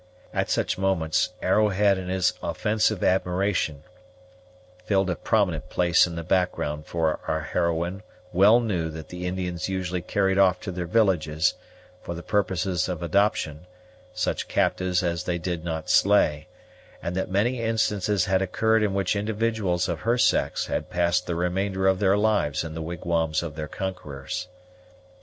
At such moments, Arrowhead and his offensive admiration filled a prominent place in the background: for our heroine well knew that the Indians usually carried off to their villages, for the purposes of adoption, such captives as they did not slay; and that many instances had occurred in which individuals of her sex had passed the remainder of their lives in the wigwams of their conquerors.